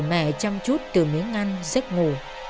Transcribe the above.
mẹ chăm chút từ miếng ăn giấc ngủ